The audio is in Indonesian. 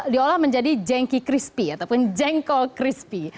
diolah menjadi jengki crispy ataupun jengkol crispy